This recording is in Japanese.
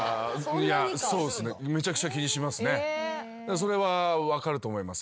それは分かると思います。